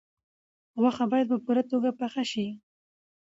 غوښه باید په پوره توګه پاخه شي.